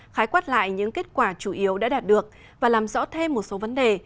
khái quát lại những kết quả chủ yếu đã đạt được và làm rõ thêm một số vấn đề